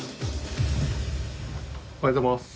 おはようございます。